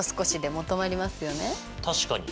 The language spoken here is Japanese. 確かに。